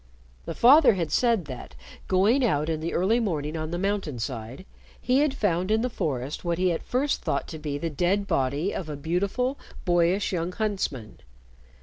The father had said that, going out in the early morning on the mountain side, he had found in the forest what he at first thought to be the dead body of a beautiful, boyish, young huntsman.